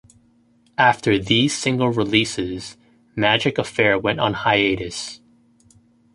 After these single releases, Magic Affair went on hiatus.